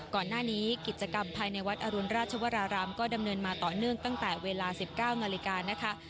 ก่อนหน้านี้กิจกรรมภายในวัดอรุณราชวรารามก็ดำเนินมาต่อเนื่องตั้งแต่เวลา๑๙นาฬิกานะคะ